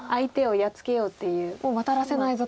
もうワタらせないぞと。